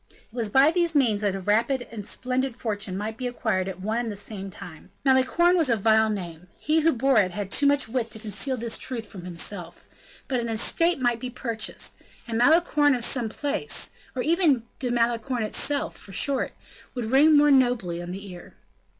It was by these means that a rapid and splendid fortune might be acquired at one and the same time. Malicorne was a vile name; he who bore it had too much wit to conceal this truth from himself; but an estate might be purchased; and Malicorne of some place, or even De Malicorne itself, for short, would ring more nobly on the ear.